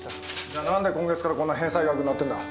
じゃ何で今月からこんな返済額になってるんだ？